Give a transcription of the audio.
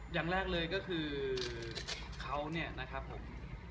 อย่างแรกเลยก็คือเขาเนี่ยนะครับผม